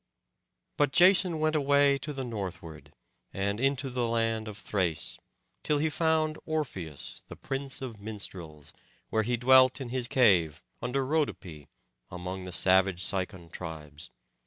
But Jason went away to the northward, and into the land of Thrace, till he found Orpheus, the prince of minstrels, where he dwelt in his cave under Rhodope, among the savage Cicon tribes.